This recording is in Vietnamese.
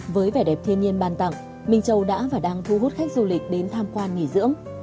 với vẻ đẹp thiên nhiên ban tặng minh châu đã và đang thu hút khách du lịch đến tham quan nghỉ dưỡng